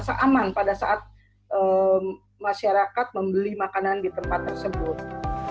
keaman pada saat masyarakat membeli makanan di tempat tersebut